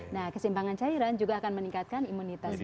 nah kesimpangan cairan juga akan meningkatkan imunitas kita